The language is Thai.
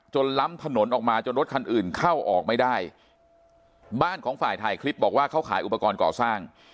ล้ำถนนออกมาจนรถคันอื่นเข้าออกไม่ได้บ้านของฝ่ายถ่ายคลิปบอกว่าเขาขายอุปกรณ์ก่อสร้าง